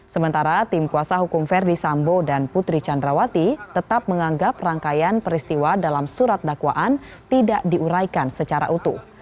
sementara tim kuasa hukum verdi sambo dan putri candrawati tetap menganggap rangkaian peristiwa dalam surat dakwaan tidak diuraikan secara utuh